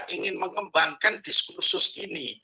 ingin mengembangkan diskursus ini